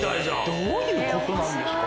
どういうことなんですか？